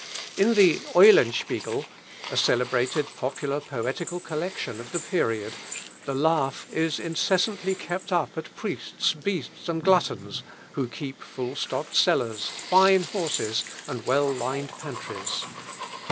In the "Eulenspiegel," a celebrated popular poetical collection of the period, the laugh is incessantly kept up at priests, beasts, and gluttons, who keep full stocked cellars, fine horses, and well lined pantries.